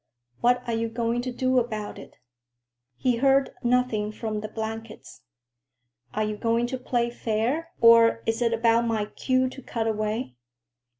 What are you going to do about it?" He heard nothing from the blankets. "Are you going to play fair, or is it about my cue to cut away?"